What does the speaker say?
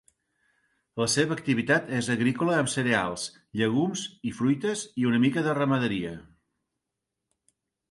La seva activitat és agrícola amb cereals, llegums i fruites, i una mica de ramaderia.